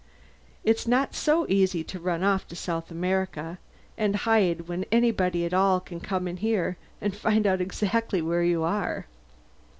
It's not so easy to run off to South America and hide when anybody at all can come in here and find out exactly where you are."